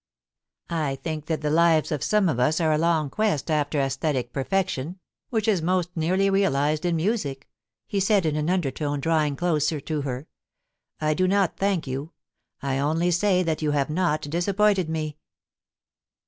* I think that the lives of some of us are a long quest after aesthetic perfection, which is most nearly realised in music,' he said in an undertone, drawing closer to her. * I do not thank you ; I only say that you have not disappointed me.'